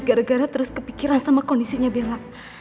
gara gara terus kepikiran sama kondisinya bella